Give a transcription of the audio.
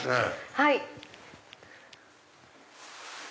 はい。